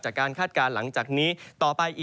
ก็คือบริเวณอำเภอเมืองอุดรธานีนะครับ